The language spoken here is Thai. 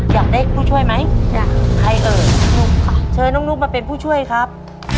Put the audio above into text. อยากได้ผู้ช่วยไหมอยากใครเอ่ยนุ๊กค่ะเชิญน้องนุ๊กมาเป็นผู้ช่วยครับ